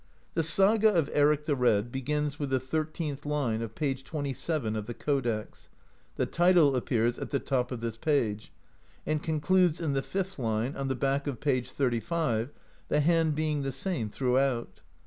The Saga of Eric the Red begins with the thirteenth line of page 27 of the codex [the title appears at the top of this page] , and concludes in the fifth line on the back of page 35, the hand being the same throughout.